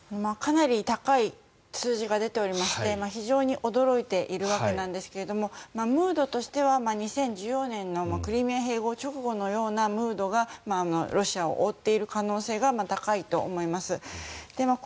かなり高い数字が出ておりまして非常に驚いているわけですがムードとしては２０１４年のクリミア併合直後のようなムードがロシアを覆っている可能性が高いと思います。